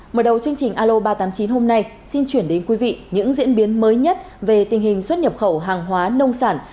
mở đầu chương trình alo ba trăm tám mươi chín hôm nay xin chuyển đến quý vị những diễn biến mới nhất về tình hình xuất nhập khẩu hàng hóa nông sản